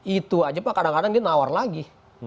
itu aja pak kadang kadang dia nawar lagi